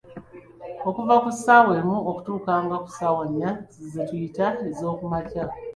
"Okuva ku ssaawa emu okutuuka nga ku nnya, ze tuyita ezookumankya."